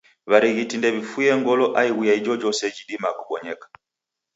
W'arighiti ndew'ifuye ngolo aighu ya ijojose jidima kubonyeka.